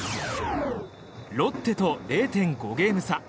ロッテと０．５ゲーム差。